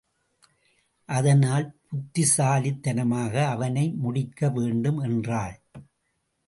அதனால் புத்திசாலித்தனமாக அவனை முடிக்க வேண்டும் என்றாள்.